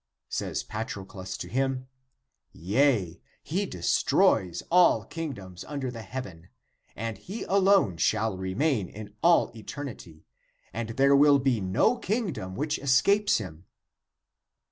" Says Patroclus to him, " Yea, he destroys all kingdoms under the heaven, and he alone shall remain in all eternity, and there will be no kingdom which escapes him."